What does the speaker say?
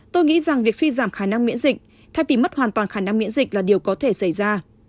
tôi nghĩ rằng việc suy giảm khả năng miễn dịch thay vì mất hoàn toàn khả năng miễn dịch là điều có thể xảy ra